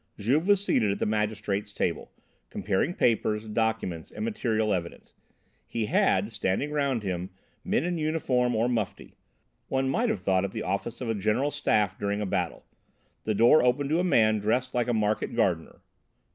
Juve was seated at the magistrate's table, comparing papers, documents, and material evidence; he had, standing round him men in uniform or mufti. One might have thought it the office of a general staff during a battle. The door opened to a man dressed like a market gardener.